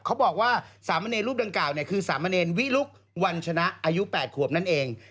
เขาบอกว่าสามเณรรูปดังกล่าวคือสามเณรวิลุกวันชนะอายุ๘ขวบนั่นเอง